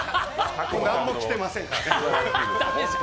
何も着てませんからね。